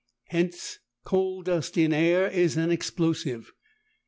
Hence coal dust in air is an explosive.